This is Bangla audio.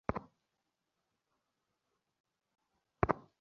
এখন সে তাকে কোনোমতেই একটা ভাবরসের রূপকমাত্র বলিয়া মনে করিতে পারে না।